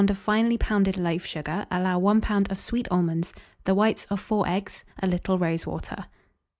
of finely pounded loaf sugar allow 1 lb. of sweet almonds, the whites of 4 eggs, a little rose water.